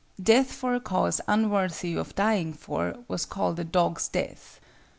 Death for a cause unworthy of dying for, was called a "dog's death."